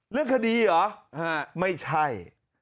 เรื่องคดีเหรอไม่ใช่